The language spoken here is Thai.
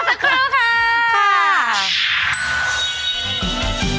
ไม่ต้องให้มันคุก